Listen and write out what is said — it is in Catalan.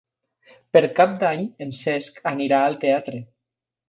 Per Cap d'Any en Cesc anirà al teatre.